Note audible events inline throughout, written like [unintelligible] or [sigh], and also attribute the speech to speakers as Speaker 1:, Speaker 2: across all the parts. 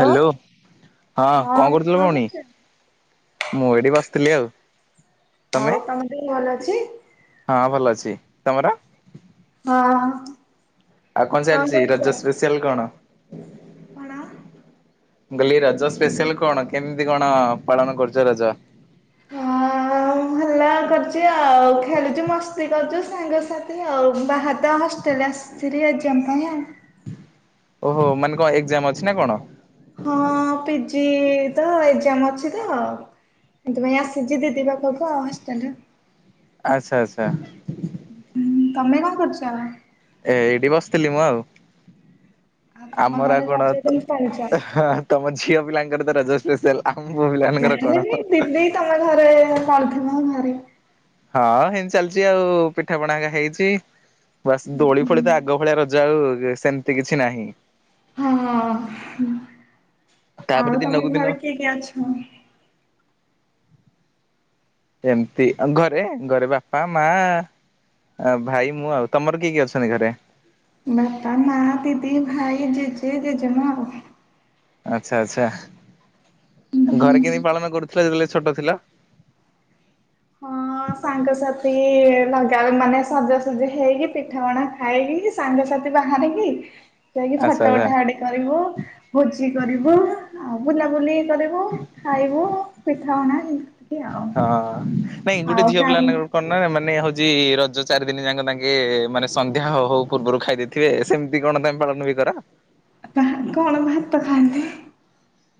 Speaker 1: Hello ହଁ କଣ କରୁଥିଲ ଭଉଣୀ? ମୁଁ ଏଇଠି ବସିଥିଲି ଆଉ ତମେ?
Speaker 2: ଆଉ ତମ ଦେହ ଭଲ ଅଛି?
Speaker 1: ହଁ ଭଲ ଅଛି ତମର?
Speaker 2: ହଁ।
Speaker 1: ଆଉ କଣ ଚାଲିଛି ରଜ ସ୍ପେସିଆଲ କଣ?
Speaker 2: କଣ?
Speaker 1: ମୁ କହିଲି ରଜ ସ୍ପେସିଆଲ କଣ କେମିତି କଣ ପାଳନ କରୁଛ ରଜ?
Speaker 2: ହଁ ହେଲା
Speaker 1: [inaudible]
Speaker 2: କରୁଛି ଆଉ ଖେଲୁଛି ମସ୍ତି କରୁଛୁ ସାଙ୍ଗସାଥି ଆଉ ବାହାରୁ ଆ ହଷ୍ଟେଲରେ ଆସି ଆସିଚି ହାରି ଏକ୍ସାମ ପାଇ ଆଉ।
Speaker 1: ଓହୋ ମାନେ କଣ ଏକ୍ଜାମ ଅଛି ନା କଣ?
Speaker 2: ହଁ ପିଜି ତ ଏକ୍ଜାମ ଅଛି ତ ସେଥିପାଇଁ ଆସିଛି ଦିଦି ପାଖକୁ ଆଉ ହଷ୍ଟେଲ।
Speaker 1: ଆଚ୍ଛା ଆଚ୍ଛା।
Speaker 2: ଉ ତମେ କଣ କରୁଛ?
Speaker 1: ଏ ଏଇଠି ବସିଥିଲି ମୁଁ ଆଉ
Speaker 2: ଆଉ ତମ
Speaker 1: ଆମର
Speaker 2: ଘରେ
Speaker 1: ଆଉ
Speaker 2: ରଜ
Speaker 1: କଣ
Speaker 2: କେମିତି ପାଳୁଛ?
Speaker 1: ହା ହା। ତମ ଝିଅ ପିଲାଙ୍କର ତ ରଜ ସ୍ପେସିଆଲ ଆମ ପୁଅ ପିଲାମାନଙ୍କର
Speaker 2: ଯାହାହେଲେ
Speaker 1: କଣ?
Speaker 2: ବି ଦିଦି ତମେ ଘରେ ପଢଥିବ ଆ ଘରେ
Speaker 1: ହଁ ହେମତି ଚାଲିଛି ଆଉ ପିଠା ପଣା ହେରିକା ହେଇଛି। ବାସ୍ ଦୋଳି ଫୋଳି ତ ଆଗ ଭଳିଆ ରଜ ଆଉ ସେମିତି କିଛି ନାହିଁ।
Speaker 2: ହଁ
Speaker 1: ତାପରେ
Speaker 2: ଆଉ ତମ
Speaker 1: ଦିନକୁ ଦିନ
Speaker 2: ଘରେ କିଏ କିଏ ଅଛନ୍ତି?
Speaker 1: ଏମିତି ଘରେ ଘରେ ବାପା ମା ଆ ଭାଇ ମୁଁ ଆଉ ତମର କିଏ କିଏ ଅଛନ୍ତି ଘରେ?
Speaker 2: ବାପା ମା ଦିଦି ଭାଇ ଜେଜେ ଜେଜେମା ଆଉ
Speaker 1: ଆଚ୍ଛା ଆଚ୍ଛା ଘରେ କେମତି ପାଳନ କରୁଥିଲ ଯେତେବେଳେ ଛୋଟ ଥିଲ? [inaudible]
Speaker 2: ମୋ ସାଙ୍ଗସାଥି ଲଗା ମାନେ ସଜାସଜି ହେଇକି ପିଠା ପଣା ଖାଇକି ସାଙ୍ଗସାଥି ବାହାରିକି
Speaker 1: [inaudible]
Speaker 2: ଯାଇକି ଫଟୋ
Speaker 1: ଆଚ୍ଛା
Speaker 2: ଉଠା ଉଠି କରିବୁ ଭୋଜି କରିବୁ ଆଉ ବୁଲାବୁଲି। କରିବୁ ଖାଇବୁ ପିଠାପଣା ଏମତି ଆଉ।
Speaker 1: ହଁ ନାଇଁ ଗୋଟେ
Speaker 2: ଆଉ
Speaker 1: ଝିଅ
Speaker 2: କାଲି
Speaker 1: ପିଲାମାନଙ୍କର କଣନା ମାନେ ହଉଛି ରଜ ଚାରି ଦିନ ଯାକ ତାଙ୍କେ ମାନେ ସନ୍ଧ୍ୟା ହଉ ହଉ ପୂର୍ବରୁ ଖାଇ ଦେଇ ଥିବେ ସେମିତି କଣ ତମେ ପାଳନ ବି କର।
Speaker 2: ବା କଣ ଭାତ ଖାଆନ୍ତି।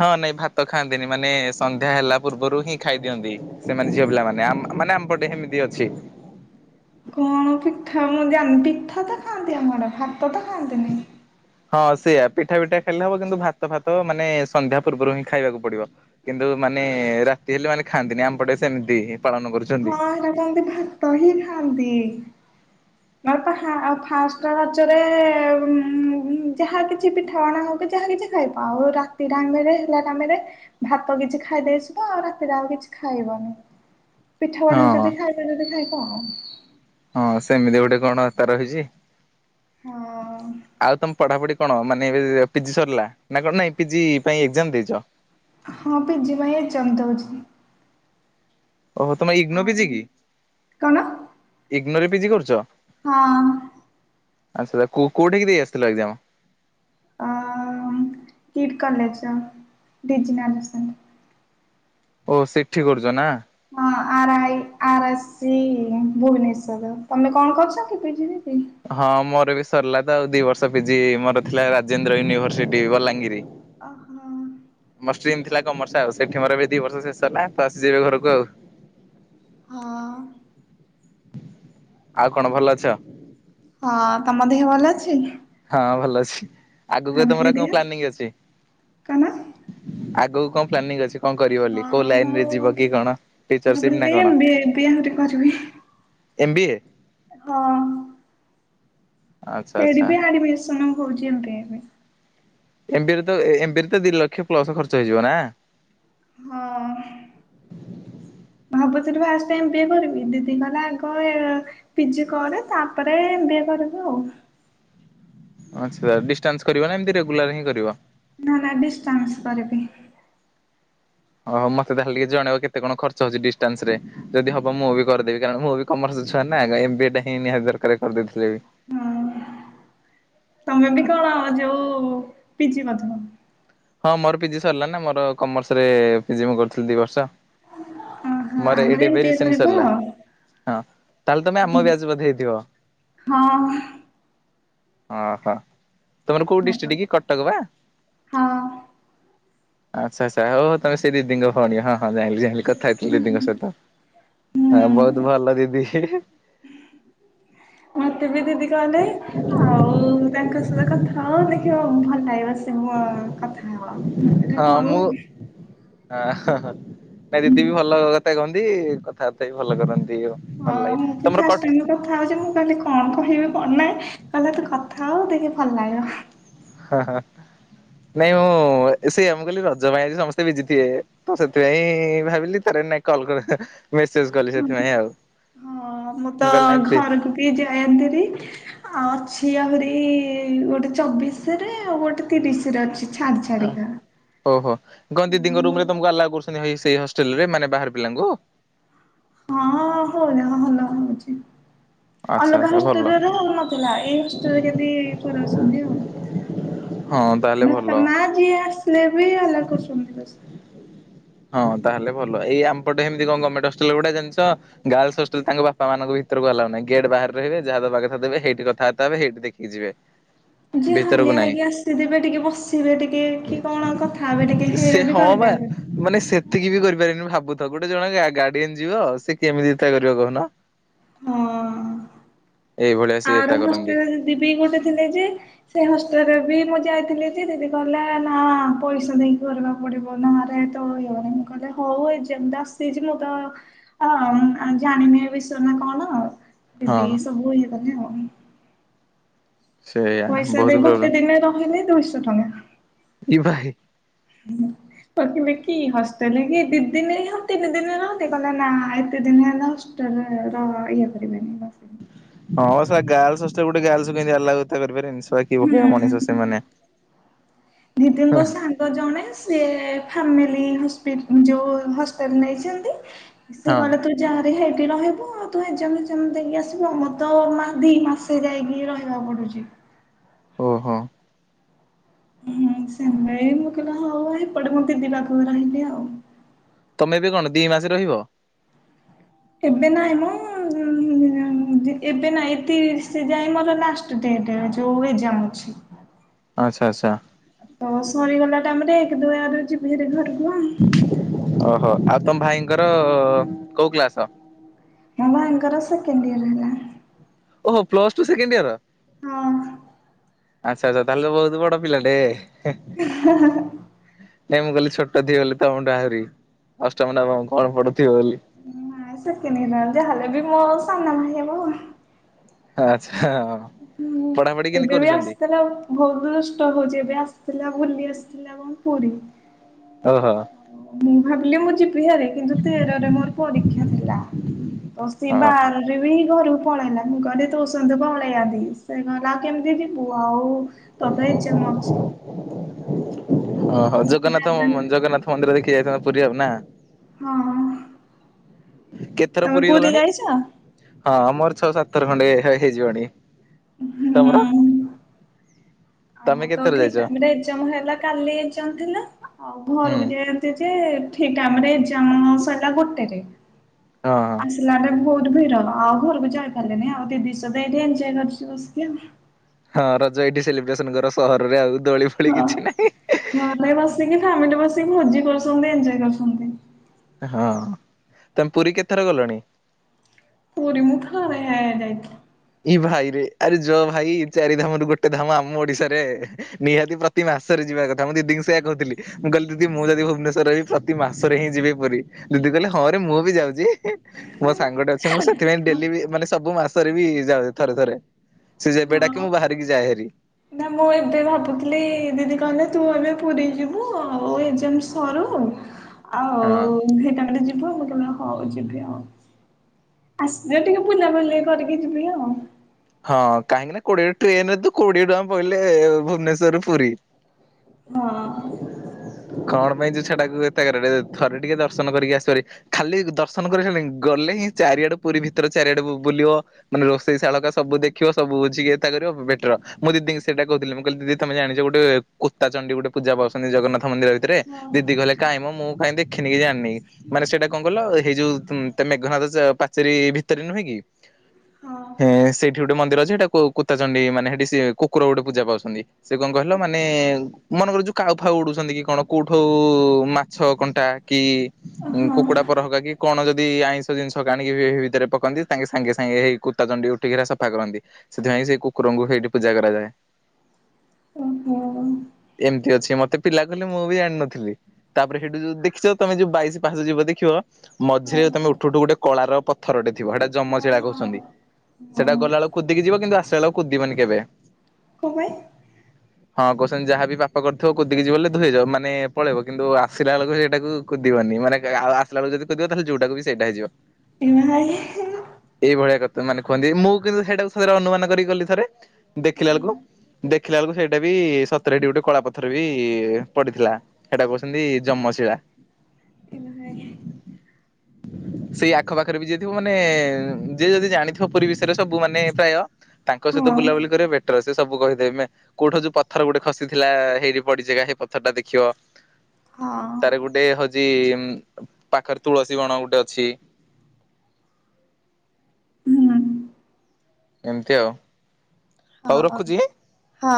Speaker 1: ହଁ ନାଇଁ ଭାତ ଖାଆନ୍ତିନି ମାନେ ସନ୍ଧ୍ୟା ହେଲା ପୂର୍ବରୁ ହିଁ ଖାଇଦିଅନ୍ତି। ସେମାନେ ଝିଅ ପିଲା ମାନେ ଆ ମାନେ ଆମପଟେ ସେମିତି ଅଛି।
Speaker 2: କଣ ପିଠା ମୁଁ ଜାଣିନି ପିଠା ତ ଖାଆନ୍ତି ଆମର ଭାତ ତ ଖାଆନ୍ତିନି।
Speaker 1: ହଁ ସେଇଆ ପିଠା ପିଠା ଖାଇଲେ ହବ କିନ୍ତୁ ଭାତ ଫାତ ମାନେ ସନ୍ଧ୍ୟା ପୂର୍ବରୁ ହିଁ ଖାଇବାକୁ ପଡିବ। କିନ୍ତୁ ମାନେ ରାତି ହେଲେ ମାନେ ଖାଆନ୍ତିନି ଆମପଟେ ସେମିତି ପାଳନ କରୁଛି।
Speaker 2: ହଁ ହେରାକ ହିନ୍ଦି ଭାତ ହିଁ ଖାଆନ୍ତି।
Speaker 1: [inaudible]
Speaker 2: ଆଉ ପାହା ଆଉ ଫାଷ୍ଟ ରଜରେ ଯାହା କିଛି ପିଠାପଣା ହଉ କି ଯାହା କିଛି ଖାଇବା ଆଉ ରାତି ଟାଇମରେ ହେଲା ଟାଇମିରେ। ଭାତ କିଛି ଖାଇଦେଇଚୁ ତ ଆଉ ରାତିରେ ଆଉ କିଛି ଖାଇବନି।
Speaker 1: ହଁ
Speaker 2: ପିଠାପଣା ଯଦି ଖାଇବେ ଯଦି ଖାଇବ ଆଉ।
Speaker 1: ହଁ ସେମିତି ଗୋଟେ କଣ ଆସ୍ତା ରହିଛି
Speaker 2: ହଁ
Speaker 1: ଆଉ ତମ ପଢାପଢି କଣ ମାନେ ଏବେ ପିଜି ସରିଲା ନା କଣ ନାଇଁ ପିଜି ପାଇଁ ଏକ୍ଜାମ ଦେଇଛ।
Speaker 2: ହଁ ପିଜି ପାଇଁ ଏକ୍ସଜାମ ଦଉଛି।
Speaker 1: ଓହୋ ତମେ ଇଗ୍ନୋ
Speaker 2: ଆଉ
Speaker 1: ପିଜି କି
Speaker 2: କଣ
Speaker 1: ଇଗ୍ନୋ ରେ ପିଜି କରୁଛ।
Speaker 2: ହଁ।
Speaker 1: ଆଚ୍ଛା କୋଉ କୋଉଠିକି ଦେଇ ଆସିଥିଲ ଏକ୍ସଜାମ।
Speaker 2: ଅ କିଟ କଲେଜ ର ଡିଜନାଲସନ
Speaker 1: ଓ ସେଠି କରୁଛ ନା।
Speaker 2: ହଁ ଆର ଆଇ ଆ ରା ସି ଭୁବନେଶ୍ଵର ତମେ କଣ କରୁଛ କି ପିଜି ବିଜି।
Speaker 1: ହଁ ମୋର ବି ସରିଲା ତ ଆଉ ଦି ବର୍ଷ ପିଜି ମୋର ଥିଲା ରାଜେନ୍ଦ୍ର ୟୁନିଭରସିଟି ବଲାଙ୍ଗୀରି।
Speaker 2: ଓହୋ।
Speaker 1: ମୋର ଷ୍ଟ୍ରିମ ଥିଲା କମର୍ସ ଆଉ ସେଠି ମର ଏବେ ଦି ବର୍ଷ ଶେଷ ହେଲା ତ ଆସିଯିବି ଘରକୁ ଆଉ।
Speaker 2: ହଁ।
Speaker 1: ଆଉ କଣ ଭଲ ଅଛ?
Speaker 2: ହଁ ତମ ଦେହ ଭଲ ଅଛି?
Speaker 1: ହଁ ଭଲ ଅଛି ଆଗକୁ ତମର
Speaker 2: ହାମିଲି
Speaker 1: କଣ
Speaker 2: ଦେହ
Speaker 1: ପ୍ଲାନିଂ ଅଛି।
Speaker 2: କଣ?
Speaker 1: ଆଗକୁ କଣ ପ୍ଲାନିଂ ଅଛି? କଣ କରିବ ବୋଲି
Speaker 2: ହଁ
Speaker 1: କୋଉ
Speaker 2: ମୁଁ
Speaker 1: ଲାଇନରେ ଯିବ କି କଣ ଟିଚରସିପ୍ ନା
Speaker 2: ଭାବିଲି ଏମ
Speaker 1: କଣ?
Speaker 2: ବି ଏ ବି ଆହୁରି କରିବି।
Speaker 1: M B A.
Speaker 2: ହଁ।
Speaker 1: ଆଚ୍ଛା
Speaker 2: ଏଠି
Speaker 1: ଆଚ୍ଛା।
Speaker 2: ବି ହାଡି ଭିଷଣ କରୁଚନ୍ତି ଏମି
Speaker 1: ଏମିବିଏ ରେ ତ ଏମିବିଏ ରେ ତ ଦି ଲକ୍ଷ ପ୍ଲସ ଖର୍ଚ୍ଚ ହେଇଯିବ ନା।
Speaker 2: ହଁ। ଭାବୁଥିଲୁ ଫାଷ୍ଟଟା ଏମବିଏ କରିବି ଦିଦି କହିଲା ଆଗ ଏ ପିଜି କରେ ତାପରେ ଏମବିଏ କରିବୁ ଆଉ।
Speaker 1: ଆଛା ଡିଷ୍ଟାନ୍ସ କରିବ ନା ଏମିତି ରେଗୁଲାର ହିଁ କରିବ?
Speaker 2: ନା ନା ଡିଷ୍ଟାନ୍ସ କରିବି।
Speaker 1: ଓହୋ ମତେ ତାହେଲେ ଟିକେ ଜଣେଇବ କେତେ କଣ ଖର୍ଚ୍ଚ ହଉଛି ଡିଷ୍ଟାନ୍ସରେ। ଯଦି ହବ ମୁଁ ବି କରିଦେବି କାରଣ ମୁଁ ବି କମର୍ସ ଛୁଆ ନା ଆଗ ଏମ୍ ବିଏ ଟା ହିଁ ନିହାତି ଦରକାର କରିଦେଇ ଥି
Speaker 2: ହଁ ତମେ ବି କଣ ଯୋଉ ପିଜି ବଧେ।
Speaker 1: ହଁ ମୋର ପିଜି ସରିଲା ନା ମୋର କମର୍ସ ରେ ପିଜି ମୁଁ କରୁଥିଲି ଦି ବର୍ଷ।
Speaker 2: ଓହୋ
Speaker 1: ମୋର
Speaker 2: ଆମର
Speaker 1: ଏଇ
Speaker 2: ଏମ ବି
Speaker 1: ଡିବେରି
Speaker 2: ଏ
Speaker 1: ରିସେଣ୍ଟ
Speaker 2: କରିବ
Speaker 1: ସରିଲା। ହଁ ତାହେଲେ ତମେ ଆମ ବ୍ୟାଚ ବୋଧେ ହେଇଥିବ?
Speaker 2: ହଁ।
Speaker 1: ଓହୋ ତମର କୋଉ
Speaker 2: ହଁ
Speaker 1: ଡିଷ୍ଟିକି କଟକ ବା?
Speaker 2: ହଁ।
Speaker 1: ଆଚ୍ଛା ଆଚ୍ଛା ହୋଉ ତମେ ସେଇ ଦିଦିଙ୍କ ଭଣୀ ହଁ ହଁ ଜାଣିଲି ଜାଣିଲି କଥା ହେଇଥିଲଲି ଦିଦିଙ୍କ ସହିତ। ହଁ ବହୁତ ଭଲ ଦିଦି।
Speaker 2: ମତେ ବି ଦିଦି କହିଲେ ଆଉ ତାଙ୍କ ସହିତ କଥା ହୁଅ ଦେଖିବ ଭଲ ଲାଗିବ ସେ ମୋ କଥା ହୁଅ।
Speaker 1: ହଁ ମୁଁ ନାଇ ଦିଦି ବି ଭଲ କଥା କତା କୁହନ୍ତି କଥାବାର୍ତ୍ତା ବି ଭଲ କରନ୍ତି ଆଉ।
Speaker 2: ହଁ ମୁଁ ଫାଷ୍ଟ ଟାଇମ୍ କର କଥା ହୋଉଛି ମୁଁ କହିଲି କଣ କହିବି କଣ ନାହିଁ କହିଲେ ତତେ କଥା ହୋ ଦେଖେ ଭଲ ଲାଗିବ।
Speaker 1: ନାଇଁ ମୁଁ ସେଇଆ ମୁଁ କହିଲି ରଜ ପାଇଁ ଆଜି ସମସ୍ତେ ବିଜିଥିବେ। ତ ସେଥିପାଇଁ ଭାବିଲି ତାର ନାଇଁ କଲ୍ ମେସେଜ କଲି ସେଥିପାଇଁ ଆଉ।
Speaker 2: ହଁ ମୁଁ ତ
Speaker 1: କହିଲି ନାଇଁ ଫ୍ରି
Speaker 2: ଘରକୁ ବି ଯାଆନ୍ତିନି। ଆଉ ଅଛି ଆହୁରି ଗୋଟେ ଚବିଶ ରେ ଆଉ ଗୋଟେ ତିରିଶ ରେ ଅଛି। ଛାଡ଼ି ଛାଡ଼ି କା।
Speaker 1: ଓହୋ କଣ ଦିଦି ଙ୍କ ରୁମ୍ ଆଲାଓ କରୁଛନ୍ତି ସେଇ ହଷ୍ଟେଲ ରେ ମାନେ ବାହାର ପିଲାଙ୍କୁ।
Speaker 2: ହଁ [unintelligible] ଭଲ ହାବଛି
Speaker 1: ଆଚ୍ଛା
Speaker 2: ଅଲଗା
Speaker 1: ଆଚ୍ଛା ଭଲ
Speaker 2: ହଷ୍ଟେଲ୍ ରେ ଥିଲା ଏଇ ହଷ୍ଟେଲ୍ ରେ କେମିତି ପୁରଉଛନ୍ତି ଆଉ।
Speaker 1: ହଁ ତାହେଲେ
Speaker 2: ବାପା
Speaker 1: ଭଲ।
Speaker 2: ମା ଯିଏ ଆସିଲେ ବି ଅଲଗା କରୁଛନ୍ତି ବସ।
Speaker 1: ହଁ ତାହେଲେ ଭଲ ଏଇ ଆମପଟେ ସେମିତି କଣ ଗମେଣ୍ଟ ହଷ୍ଟେଲ୍ ଗୁଡା ଜାଣିଛ? ଗାର୍ଲସ ହଷ୍ଟେଲ ତାଙ୍କ ବାପାମାନଙ୍କ ଭିତରକୁ ଆଲାୱ ନାହିଁ ଗେଟ୍ ବାହାରେ ରହିବେ ଯାହାଦେବା କଥା ଦେବେ ହେଇଟି କଥାବାର୍ତା ହେବେ ହେଇଟି ଦେଖିକି ଯିବେ।
Speaker 2: ଯେ
Speaker 1: ଭିତରକୁ
Speaker 2: ହାଲିଆ
Speaker 1: ନାହିଁ।
Speaker 2: ହେଇକି ଆସିଥିବେ ଟିକେ ବସିବେ ଟିକେ କି କଣ କଥା ହେବେ ଟିକେ
Speaker 1: ସେ
Speaker 2: ହେରା ବି
Speaker 1: ହଁ ବା
Speaker 2: କରିବେନି।
Speaker 1: ମାନେ ସେତିକି ବି କରିପାରିବନି ଭାବୁଥା ଗୋଟେ ଜଣେ ଗାର୍ଡିଆନ ଯିବ ସେ କେମିତି ଚିନ୍ତା କରିବ କହୁନ?
Speaker 2: ହଁ
Speaker 1: ଏଇଭଳିଆ ସିଏ ଏତା
Speaker 2: ଆର
Speaker 1: କରନ୍ତି
Speaker 2: ହଷ୍ଟେଲ୍ ରେ ଦିବି ଗୋଟେ ଥିଲେ ଯେ ସେଇ ହଷ୍ଟେଲରେ ବି ମୁଁ ଯାଇଥିଲି ଯେ ଦିଦି କହିଲା ନା ପଇସା ଦେଇକି କରିବା। ପଡିବ ନହେଲେ ତ ଇଅରିଂ କଲେ ହଉ ଏ ଯେନ୍ତା ଆସିଛି ମୁଁ ତ ହଁ ଜାଣିନି ଏ ବିଷୟରେ ନା କଣ ଦିଦି
Speaker 1: ହଁ
Speaker 2: ସବୁ ଇଏକଲେ ଆଉ।
Speaker 1: ସେଇଆ
Speaker 2: ପଇସା
Speaker 1: ବହୁତ
Speaker 2: ଦେଇ
Speaker 1: ପ୍ରୋବ୍ଲେମ
Speaker 2: ଗୋଟେ ଦିନ ରହିଲେ ଦୁଇଶହ ଟଙ୍କା।
Speaker 1: ଏ ଭାଇ।
Speaker 2: କହିଲେ କି ହଷ୍ଟେଲରେ କିଏ ଦି ଦିନି ରହନ୍ତି ତିନି ଦିନି ରହନ୍ତି କହିଲେ ନା ଏତେ ଦିନ ହେଲା ହଷ୍ଟେଲରେ ର ଇଏ କରିବେନି।
Speaker 1: ହଁ ସଳା ଗାଲସ୍ ହଷ୍ଟେଲରେ ଗୋଟେ ଗାଲସ୍ ଆଲାୱ କେମିତି ଏତେ କରିପାରିବେନି। କି
Speaker 2: ହୁଁ
Speaker 1: ଭଳିଆ ମଣିଷ ସେମାନେ।
Speaker 2: ତ ଜଣେ ସିଏ ଫାମିଲି ହସ୍ପିଟା ଯୋଉ ହଷ୍ଟେଲ୍ ନେଇଛନ୍ତି। ସେ
Speaker 1: ହଁ
Speaker 2: କହିଲେ ତୁ ଯାହାରି ହେଠି ରହିବୁ ଆଉ ତୁ ଏକ୍ଜାମ ଫେକ୍ସଜମ ଦେଇକି ଆସିବୁ ଆଉ ମୋର ତ ମା ଦି ମାସ ସେ ଯାଇକି ରହିବାକୁ ପଡୁଛି।
Speaker 1: ଓହୋ।
Speaker 2: ହୁଁ ସେଇତି ପାଇଁ ମୁଁ କହିଲି ହୋଉ ଭାଇ କୁଆଡେ ଗୋଟେ ଯିବା ଆଉ।
Speaker 1: ତମେ ଏବେ କଣ ଦି ମାସ ରହିବ?
Speaker 2: ଏବେ ନାଇଁ ମ ଏବେ ନାଇଟ ସେ ଯାଏ ମୋର ଲାଷ୍ଟ ଡେଟ୍ ଯୋଉ ଏଜାମ୍ ଅଛି।
Speaker 1: ଆଚ୍ଛା ଆଚ୍ଛା।
Speaker 2: ତ ସରିଗଲା ଟାଇମ୍ ରେ ଏକ ଦୁଇ ଆଡେ ଯିବିହାରି ଘରକୁ ଆଉ।
Speaker 1: ଓହୋ ଆଉ ତମ ଭାଇଙ୍କର କୋଉ କ୍ଳାସ?
Speaker 2: ମୋ ଭାଇଙ୍କର ସେକେଣ୍ଡିୟର ହେଲାଣି।
Speaker 1: ଓହୋ ପ୍ଲ ଟୁ ସେକେଣ୍ଡ ଇୟର?
Speaker 2: ହଁ ମ।
Speaker 1: ଆଚ୍ଛା ଆଚ୍ଛା ତାହେଲେ ତ ବହୁତ ବଡ ପିଲା ଟେ।
Speaker 2: ହେଁ ହେଁ।।
Speaker 1: ନାଇଁ ମୁଁ କହିଲି ଛୋଟ ଥିବ ବୋଲି ତମଠୁ ଆହୁରି ଅଷ୍ଟମ ନବମ କଣ ପଢୁଥିବ ବୋଲି?
Speaker 2: ନା ସେକେଣ୍ଡିୟର ହେଲେ ବି ମୋ ସାନ ଭାଇ ହେବ।
Speaker 1: ଆଚ୍ଛା।
Speaker 2: ହୁଁ
Speaker 1: ପଢାପଢି କେମିତି
Speaker 2: ଏବେ ବି
Speaker 1: କରୁଛନ୍ତି?
Speaker 2: ଆସିଥିଲା ଉ ବହୁତ ଦୃଷ୍ଟ ହଉଛି ଏବେ ଆସିଥିଲା ବୁଲି ଆସିଥିଲା କଣ ପୁରୀ।
Speaker 1: ଓହୋ।
Speaker 2: ମୁଁ ଭାବିଲି ମୁଁ ଯିବି ହାରୀ କିନ୍ତୁ ତେରରେ ମୋର ପରୀକ୍ଷା ଥିଲା ତ ସେ
Speaker 1: ଓହୋ
Speaker 2: ବାର ବାରରେ ବି ଘରକୁ ପଳେଇଲା ମୁଁ କହିଲି ତୋ ସହିତ ପଳେଇ ଆନ୍ତି ସେ କହିଲା କେମିତି ଯିବୁ ଆଉ ତଥାପି ଚେମ ଅଛି।
Speaker 1: ଓହୋ
Speaker 2: ଆଉ ମୁଁ
Speaker 1: ଜଗନ୍ନାଥ
Speaker 2: ଦେବିନି
Speaker 1: ଜଗନ୍ନାଥ ମନ୍ଦିରରେ ଦେଖି ଜାଇଥାନ୍ତ ପୁରୀ ଆଉ ନା।
Speaker 2: ହଁ ହଁ
Speaker 1: କେତେଥର
Speaker 2: ତମେ ପୁରୀ
Speaker 1: ଗଲଣି?
Speaker 2: ଯାଇଛ?
Speaker 1: ହଁ ମୋର ଛଅ ସାତଥର ଖଣ୍ଡେ ହେଇଯିବଣି ତମର?
Speaker 2: ହୁଁ ଆଉ
Speaker 1: ତମେ
Speaker 2: ମୋର ତ
Speaker 1: କେତେଥର
Speaker 2: ଠିକ୍
Speaker 1: ଯାଇଛ?
Speaker 2: ଟାଇମରେ ଏକଜାମ ହେଲା କାଲି ଏକଜାମ ଥିଲା ଆଉ
Speaker 1: ହୁଁ
Speaker 2: ଘରକୁ ଯିବା ପାଇଁ ଥାନ୍ତି ଯେ ଠିକ୍ ଟାଇମ୍ ରେ ଏକଜାମ୍ ସରିଲା ଗୋଟେରେ।
Speaker 1: ହଁ ହଁ।
Speaker 2: ଆସିଲାବେଳେ ବହୁତ ଭିଡ ଆହୁରି ଯାଇପାରିଲିନି ଆଉ ଦିଦି ସହିତ ଏଠି ଏଜୟ କରୁଚି ବସିକି ଆଉ।
Speaker 1: ହଁ ରଜ ଏଇଠି ସେଲିବ୍ରେସନ କର ସହରରେ ଆଉ ଦୋଳି ଫୋଳି
Speaker 2: ହଁ
Speaker 1: କିଛି ନାହିଁ।
Speaker 2: ଘରେ ବସିକି ଫ୍ୟାମିଲି ବସିକି ଭୋଜି କରୁଚନ୍ତି ଏନଜୟ କରୁଛନ୍ତି।
Speaker 1: ହଁ ତମେ ପୁରୀ କେତଥର ଗଲଣି?
Speaker 2: ପୁରୀ ମୁଁ ଥରେ ହେଁ ଯାଇଥିଲି।
Speaker 1: ଏ ଭାଇ ରେ ଆରେ ଯୋଉ ଭାଇ ଚାରି ଧାମ ର ଗୋଟେ ଧାମ ଆମ ଓଡିଶାରେ ନିହାତି ପ୍ରତି ମାସରେ ଯିବା କଥା ମୁଁ ଦିଦିଙ୍କୁ ସେୟା କଥିଲି। ମୁଁ କହିଲି ଦିଦି ମୁଁ ଯଦି ଭୁନେଶ୍ବରରେ ରହିଁବି ପ୍ରତି ମାସରେ ହିଁ ଯିବି ପୁରୀ ଦିଦି କହିଲେ ହଁ ରେ ମୁଁ ବି ଯାଉଛି। ମୋ ସାଙ୍ଗଟେ ଅଛି ମୁଁ ସେଥିପାଇଁ ଡେଲି ବି ମାନେ ସବୁ ମାସରେ ବି ଯାଉଛି ଥରେ ଥରେ। ସେ ଯେବେ
Speaker 2: ହଁ।
Speaker 1: ଡାକିବ ମୁଁ ବାହାରିକି ଯାଏ ହାରି।
Speaker 2: ନା ମୁଁ ଏବେ ଭାବୁଥିଲି ଦିଦି କହିଲେ ତୁ ଏବେ ପୁରୀ ଯିବୁ ଆଉ ଏଜାମ ସରୁ ଆଉ
Speaker 1: ହଁ।
Speaker 2: ହେଟାମିରେ ଯିବୁ ମୁଁ କହିଲି ହଉ ଯିବି ଆଉ। ଆସିଲେ ଟିକେ ପୁଲା ବୁଲି କରିକି ଯିବି ଆଉ।
Speaker 1: ହଁ କାହିଁକି ନା କୋଡିଏ ଟ୍ରେନରେ ତ କୋଡିଏ ଟଙ୍କା ପହିଲେ ଭୁନେଶ୍ବରରୁ ପୁରୀ।
Speaker 2: ହଁ।
Speaker 1: କଣ ପାଇଁ ଯୋଉ ଛଟାକୁ ଏତ ଥରେ ଟିକେ ଦର୍ଶନ କରିକି ଆସିିବା ହାରି। ଖାଲି ଦର୍ଶନ କରିାସରିଲିଣି ଗଲେ ହିଁ ଚାରିଆଡେ ପୁରୀ ଭିତରେ ଚାରିଆଡେ ବୁଲିବ ମାନେ ରୋଷେଇ ଶାଳ ସବୁ ଦେଖିବ ସବୁଝିକିଏତା କରିବ ବେଟର ମୁଁ ଦିଦି ସେଟା କହୁଥିଲି ମୁଁ କହିଲି ଦିଦି ତମେ ଜାଣିଚ ଗୋଟେ କୋତା ଚଣ୍ଡୀ ଗୋଟେ ପୂଜା ପାଉଛନ୍ତି ଜଗନ୍ନାଥ ମନ୍ଦିର ଭିତରେ
Speaker 2: ହଁ
Speaker 1: ଦିଦି କିହୀଲେ କାଇହିଁମ ମୁଁ କାହିଁ ଦେଖିନି ଜାଣିନି। ମାନେ ସେଇଟା କଣ କଲ ଏଇ ଯୋଉ ମେଘନାଥ ପାଚେରୀ ଭିତରେ ନୁହେଁ କି?
Speaker 2: ହଁ।
Speaker 1: ସେଠି ଗୋଟେ ମନ୍ଦିର ଅଛି ସେଇଟାକୁ କୁତାଚଣ୍ଡୀ ମାନେ ସେଠି ସେ କୁକୁର ଗୋଟେ ପୂଜା ପାଉଛନ୍ତି। ସେ କଣ କହିଲ ମାନେ ମନେକର ଯୋଉ କାଉ ଫାଉ ଉଡୁଚନ୍ତି କି କଣ କୋଉଠଉ ଛଅ କଣ୍ଟା କି
Speaker 2: ହଁ
Speaker 1: କୁକୁଡା ପର ହଗ କି କଣ ଯଦି ଆଇଁଷ ଜିନିଷ କାଣିକି ଭିତରେ ପକନ୍ତି ତାଙ୍କେ ସାଙ୍ଗେ ସାଙ୍ଗେ ହେଇ କୁତାଚଣ୍ଡି ଉଠିକିରା ସବ ସଫା କରନ୍ତି ସେଥିପାଇଁ ସେଇ କୁକୁରଙ୍କୁ ସେଇଠି ପୂଜା କରାଯାଏ।
Speaker 2: ଓହୋ।
Speaker 1: ଏମିତି ଅଛି ମତେ ପିଲା କହିଲେ ମୁଁ ବି ଆଣିନଥିଲି। ତାପରେ ସେଠୁ ଯଉ ଦେଖିଚ ତମେ ଯୋଉ ବାଇଶି ପାହାଚ ଯିବ ଦେଖିବ।
Speaker 2: ହଁ
Speaker 1: ମଝିରେ
Speaker 2: ହଁ।
Speaker 1: ତମେ ଉଠୁ ଉଠୁ ଗୋଟେ କଳାର ପଥରଟେ ଥିବ ହେ଼ଏଇଟା
Speaker 2: ହଁ
Speaker 1: ଜମଶିଳାା କହୁଛନ୍ତି। ସେଟା
Speaker 2: ହଁ
Speaker 1: ଗଲାବେଳେ କୁଦିକି ଯିବ କିନ୍ତୁ ଆସିଲା ବେଳେ କୁୁଦିବନି କେବେ?
Speaker 2: କଣ ପାଇଁ?
Speaker 1: ହଁ କହୁଛନ୍ତି ଯାହା ବି ପାପ କରିଥିବ କୁଦିକି ଯିବଲେ ପଳେଇବ ମାନେ କିନ୍ତୁ ଆସିଲା ବେଳକୁ ସେଇଟାକୁ କୁଦିବନି ମାନେ ଆସିଲା ବେଳେ ଯଦି କୁଦିବ ତାହେଲେ ଯୋଉଟାକୁ ବି ସେଇଟା ହେଇଯିବ।
Speaker 2: ଏମା ହେ
Speaker 1: ଏଇଭଳିଆ କଥା ମାନେ କୁହନ୍ତି ମୁଁ କିନ୍ତୁ ସେଇଟାକୁ ଥରେ ଅନୁମାନ କରିକି ଗଲି ଥରେ ଦେଖିଲା
Speaker 2: ହଁ
Speaker 1: ବେଳକୁ ଦେଖିଲା ବେଳକୁ ସେଇଟା ବି ସତରେ ବି ଗୋଟେ କଳା ପଥର ବି ପଡିଥିଲା। ସେଟା କହୁଛନ୍ତି ଯମଶିଳା।
Speaker 2: ଏମାହାଇ
Speaker 1: ସେଇ ଆଖପାଖରେ ବି ଯିଏଥିବ ମାନେ ଯିଏ ଯଦି ଜାଣିଥିବ? ଛୋପୁରୀ ବିଷୟରେ ସବୁ ମାନେ ପ୍ରାୟ ତାଙ୍କ ସହିତ
Speaker 2: ହଁ
Speaker 1: ବୁଲାବୁଲି କରିବା ବେଟର ସେ ସବୁ କହିଦେବେ ସ କୋଉଠୁ ଯୋଉ ପଥର ଗୋଟେ ଖସିଥିଲା ହେଇରି ପଡିଛିା ସେଇ ପଥରଟା ଦେଖିବ?
Speaker 2: ହଁ
Speaker 1: ତାର ଗୋଟେ ହଉଛି ଉ ପାଖରେ ତୁଳସୀ ବଣ ଗୋଟେ ଅଛି।
Speaker 2: ହୁଁ
Speaker 1: ଏମିତି ଆଉ
Speaker 2: ହଁ
Speaker 1: ହଉ
Speaker 2: ହ
Speaker 1: ରଖୁଛି।
Speaker 2: ହଁ।